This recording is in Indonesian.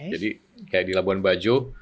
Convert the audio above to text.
jadi kayak di labuan bajo